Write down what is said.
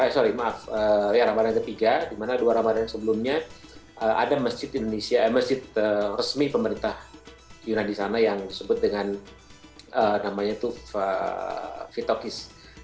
sorry maaf ramadan ketiga di mana dua ramadan sebelumnya ada mesjid resmi pemerintah yunani di sana yang disebut dengan namanya fitogis